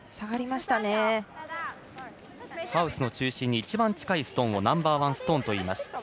ハウスの中心に一番近いストーンをナンバーワンストーンといいます。